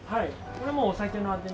これもお酒のあてに。